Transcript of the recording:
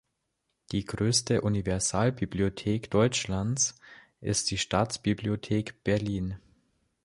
Die größte Universalbibliothek Deutschlands ist die Staatsbibliothek Berlin.